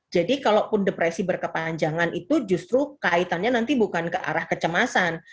jadi kalaupun depresi berkepanjangan itu justru kaitannya nanti bukan ke arah kecemasan